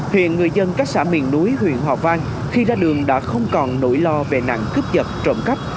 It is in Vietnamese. hiện người dân các xã miền núi huyện hòa vang khi ra đường đã không còn nỗi lo về nạn cướp giật trộm cắp